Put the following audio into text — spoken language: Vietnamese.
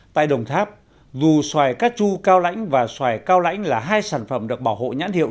tại đồng tháp dù xoài cát chu cao lãnh và xoài cao lãnh là hai sản phẩm được bảo hộ nhãn hiệu